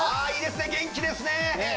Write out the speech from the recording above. いいですね元気ですね。